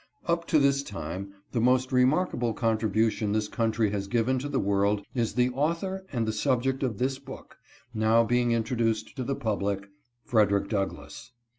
Up to this time the most remarkable contribution this country has given to the world is the Author and subject of this book, now being introduced to the public — Frederick Douglass.